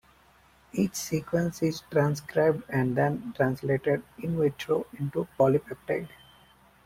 Each sequence is transcribed, and then translated "in vitro" into polypeptide.